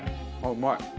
うまい。